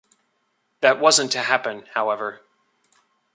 That wasn't to happen, however.